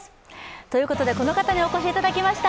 ということで、この方にお越しいただきました。